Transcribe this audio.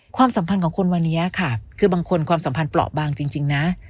ความสัมพันธ์ของคนวันนี้ค่ะคือบางคนความสัมพันธ์เปราะบางจริงนะ